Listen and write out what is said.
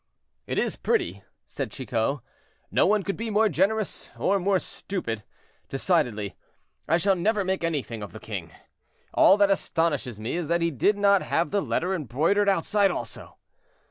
"It is pretty," said Chicot, "no one could be more generous or more stupid. Decidedly I shall never make anything of the king. All that astonishes me is that he did not have the letter embroidered outside also.